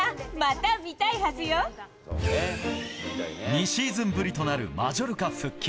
２シーズンぶりとなるマジョルカ復帰。